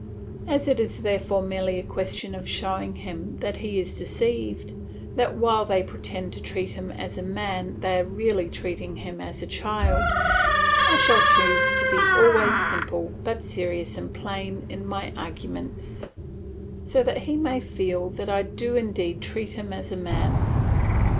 As it is therefore merely a question of showing him that he is deceived, that while they pretend to treat him as a man they are really treating him as a child, I shall choose to be always simple but serious and plain in my arguments, so that he may feel that I do indeed treat him as a man.